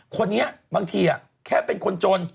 คนนี้บางทีแค่เป็นคนจน